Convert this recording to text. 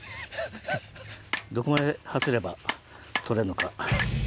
どこまではつれば取れるのか。